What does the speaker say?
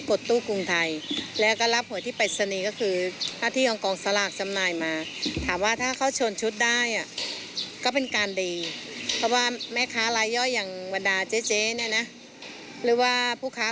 กดตู้กรุงไทยแล้วก็รับผลที่ปรัชน์ดนตรีก็คือหน้าที่ชาวพชนแสลกสำนายมา